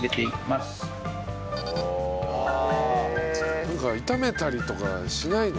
なんか炒めたりとかしないんですね。